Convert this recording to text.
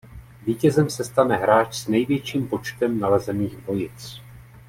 Vítězem se stane hráč s největším počtem nalezených dvojic.